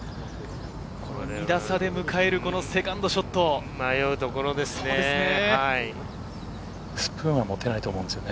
２打差で迎えるセカンド迷うところですね。